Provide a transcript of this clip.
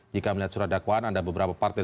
jika melihat surat dakwaan ada beberapa partai